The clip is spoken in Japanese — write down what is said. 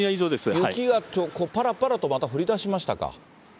雪がぱらぱらとまた、降りだしましたか？